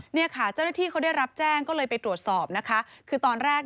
เนี่ยค่ะเจ้าหน้าที่ได้รับแจ้งก็เลยไปตรวจสอบค่ะ